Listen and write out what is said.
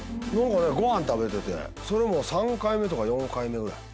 ごはん食べててそれも３回目とか４回目ぐらい。